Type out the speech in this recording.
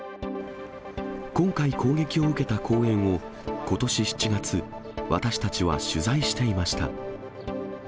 今回攻撃を受けた公園を、ことし７月、私たちは取材していました。